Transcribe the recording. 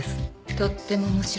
とっても面白いわね。